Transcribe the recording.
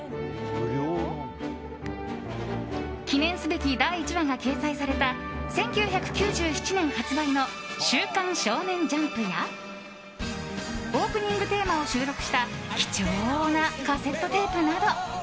記念すべき第１話が掲載された１９９７年発売の「週刊少年ジャンプ」やオープニングテーマを収録した貴重なカセットテープなど